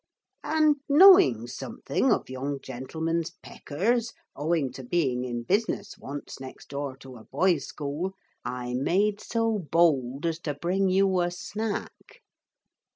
And knowing something of young gentlemen's peckers, owing to being in business once next door to a boys' school, I made so bold as to bring you a snack.'